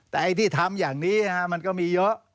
แต่ไอ้ที่ทำอย่างนี้มันก็มีเยอะ